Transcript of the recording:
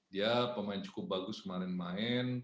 dia pemain cukup bagus kemarin main